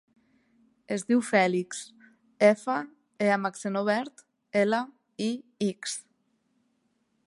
Es diu Fèlix: efa, e amb accent obert, ela, i, ics.